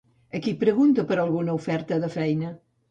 A qui pregunta per alguna oferta de feina?